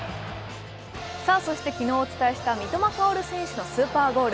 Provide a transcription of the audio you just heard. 昨日お伝えした三笘薫選手のスーパーゴール。